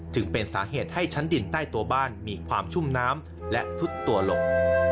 จึงเป็นสาเหตุให้ชั้นดินใต้ตัวบ้านมีความชุ่มน้ำและซุดตัวลง